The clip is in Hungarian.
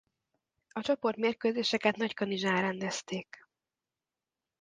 A csoportmérkőzéseket Nagykanizsán rendezték.